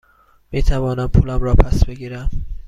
می توانم پولم را پس بگیرم؟